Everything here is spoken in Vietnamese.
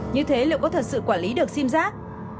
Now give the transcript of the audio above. như thế liệu có thật sự quản lý được xìm rác